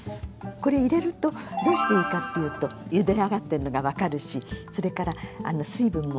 これ入れるとどうしていいかっていうとゆで上がってるのが分かるしそれから水分も行ったり来たりするし。